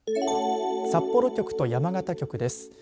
札幌局と山形局です。